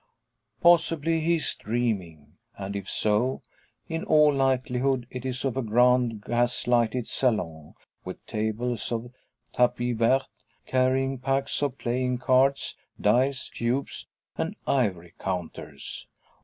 Possibly he is dreaming, and if so, in all likelihood it is of a grand gas lighted salon, with tables of tapis vert, carrying packs of playing cards, dice cubes, and ivory counters.